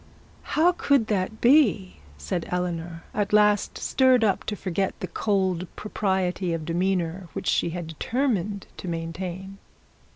'How could that be?' said Eleanor, at last stirred up to forget the cold propriety of demeanour which she had determined to maintain.